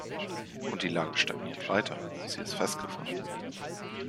Und die Lage stagniert weiter, sie ist festgefahren.